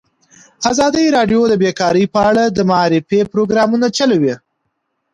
ازادي راډیو د بیکاري په اړه د معارفې پروګرامونه چلولي.